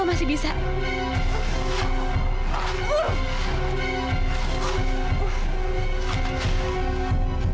aku harus bisa lepas dari sini sebelum orang itu datang